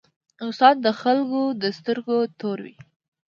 استاد د خلکو د سترګو تور وي.